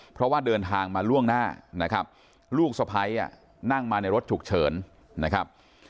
เพราะว่าเดินทางมาล่วงหน้านะครับลูกสะพ้ายนั่งมาในรถฉุกเฉินนะครับ